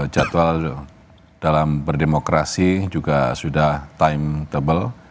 jadwal dalam berdemokrasi juga sudah time double